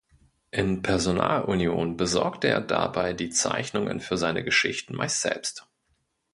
In Personalunion besorgte er dabei die Zeichnungen für seine Geschichten meist selbst.